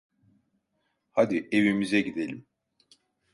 Hadi evimize gidelim.